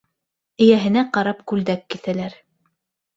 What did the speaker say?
Эйәһенә ҡарап күлдәк киҫәләр.